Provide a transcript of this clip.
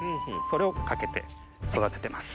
それをかけて育ててます。